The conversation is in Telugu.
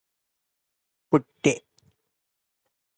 పుట్టె